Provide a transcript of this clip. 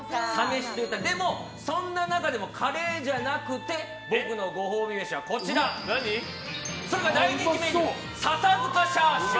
でも、そんな中でもカレーじゃなくて僕のご褒美飯は大人気メニュー笹塚チャーシュー。